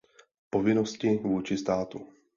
Povinnosti vůči státu.